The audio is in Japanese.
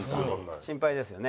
心配ですよね。